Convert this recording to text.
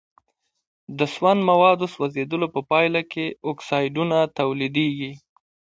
د سون موادو سوځیدلو په پایله کې اکسایدونه تولیدیږي.